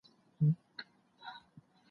هلته بايد صميميت، احترام او شفقت وي.